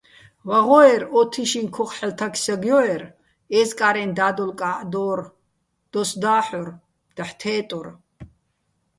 ვაღო́ერ ო თიშიჼ ქოხ ჰ̦ალო̆ თაგ-საგჲო́რ, ე́ზკარენ და́დოლკაჸ დო́რ, დოს და́ჰ̦ორ, დაჰ̦ თე́ტორ.